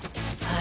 あ。